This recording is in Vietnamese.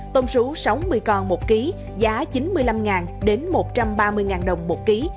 tôm sú sáu mươi con một kg giá chín mươi năm một trăm ba mươi đồng một kg